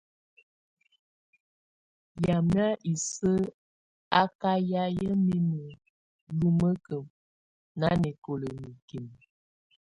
Yamɛ̀á isǝ́ á kà yayɛ̀á mimǝ́ lumǝ́kǝ́ nanɛkɔla mikimǝ.